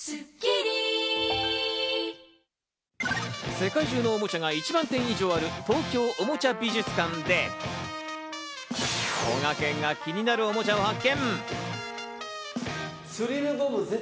世界中のおもちゃが１万点以上ある東京おもちゃ美術館で、こがけんが気になるおもちゃを発見。